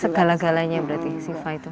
segala galanya berarti siva itu